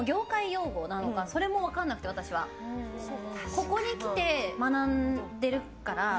ここに来て学んでるから。